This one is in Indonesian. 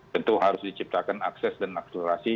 tentu harus diciptakan akses dan akselerasi